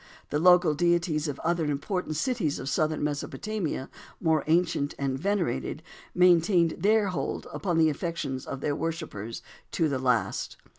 The local deities of other important cities of southern Mesopotamia, more ancient and venerated, maintained their hold upon the affections of their worshippers to the last.